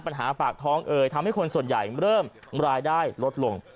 ปัญหาปากท้องเอ่ยทำให้คนส่วนใหญ่เริ่มรายได้ลดลง